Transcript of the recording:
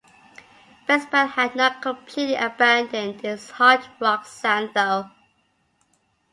Rez Band had not completely abandoned its hard rock sound, though.